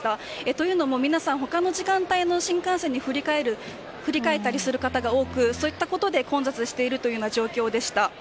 というのも、皆さん他の時間帯の新幹線に振り替えたりする方が多くそういったことで混雑しているような状況でした。